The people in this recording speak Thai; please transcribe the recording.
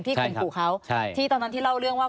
ข่มขู่เขาที่ตอนนั้นที่เล่าเรื่องว่า